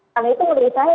karena itu menurut saya